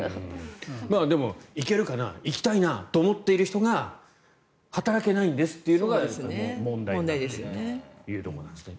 でも、いけるかないきたいなと思っている人が働けないんですというのが問題というところなんですね。